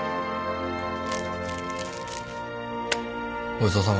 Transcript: ごちそうさま。